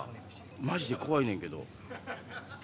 マジで怖いねんけど。